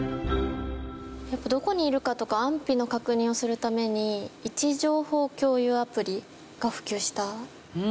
やっぱどこにいるかとか安否の確認をするために位置情報共有アプリが普及した？